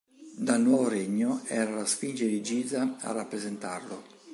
Dal Nuovo Regno era la Sfinge di Giza a rappresentarlo.